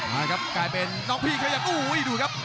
น้องพีเขยักโอ้โหดูครับ